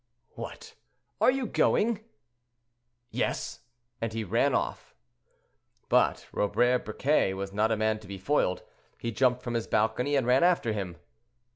"What! are you going?" "Yes!" and he ran off. But Robert Briquet was not a man to be foiled; he jumped from his balcony and ran after him.